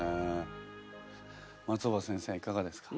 松尾葉先生いかがですか？